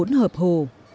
hỗn hợp hồ